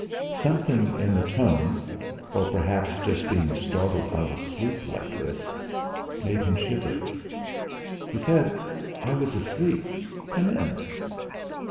Something in the tone, or perhaps just being startled out of sleep like this, made him shiver. He said: "I was asleep. Come in!"